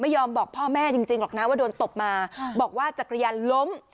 บอกพ่อแม่จริงจริงหรอกนะว่าโดนตบมาบอกว่าจักรยานล้ม